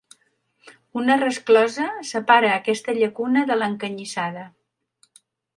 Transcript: Una resclosa separa aquesta llacuna de l’Encanyissada.